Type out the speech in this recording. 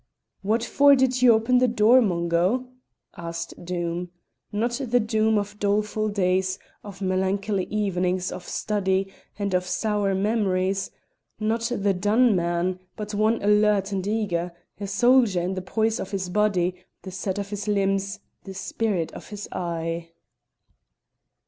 "What for did ye open the door, Mungo?" asked Doom, not the Doom of doleful days, of melancholy evenings of study and of sour memories, not the done man, but one alert and eager, a soldier, in the poise of his body, the set of his limbs, the spirit of his eye.